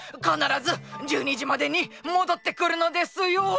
かならず１２じまでにもどってくるのですよ」